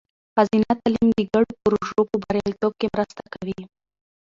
ښځینه تعلیم د ګډو پروژو په بریالیتوب کې مرسته کوي.